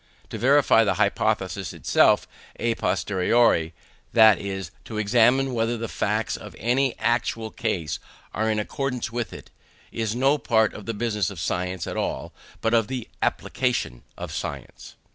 To verify the hypothesis itself à posteriori, that is, to examine whether the facts of any actual case are in accordance with it, is no part of the business of science at all, but of the application of science.